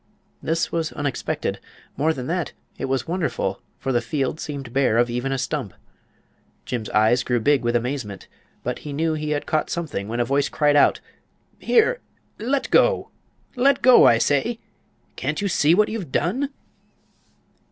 This was unexpected. More than that, it was wonderful; for the field seemed bare of even a stump. Jim's eyes grew big with amazement, but he knew he had caught something when a voice cried out: "Here, let go! Let go, I say! Can't you see what you've done?"